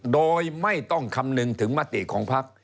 โดยไม่ต้องคำนึงถึงมติของพัก